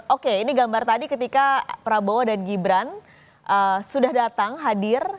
oke ini gambar tadi ketika prabowo dan gibran sudah datang hadir